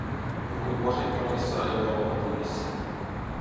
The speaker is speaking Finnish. Puhuin Washingtonissa Euroopan nimissä.